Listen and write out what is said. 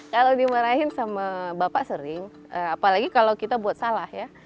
kalau dimarahin sama bapak sering apalagi kalau kita buat salah ya